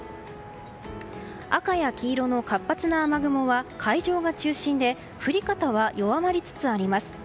赤や黄色の活発な雨雲は海上が中心で降り方は弱まりつつあります。